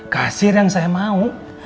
kasir yang saya mau